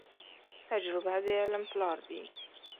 تجربه د علم پلار دي.